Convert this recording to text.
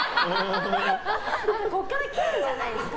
ここから切るんじゃないですか？